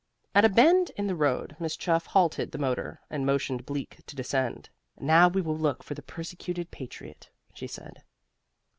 At a bend in the road Miss Chuff halted the motor, and motioned Bleak to descend. "Now we will look for the persecuted patriot," she said.